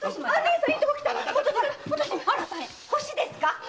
腰ですか？